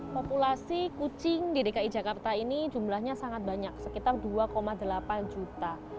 populasi kucing di dki jakarta ini jumlahnya sangat banyak sekitar dua delapan juta